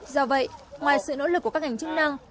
do vậy ngoài sự nỗ lực của các ngành chức năng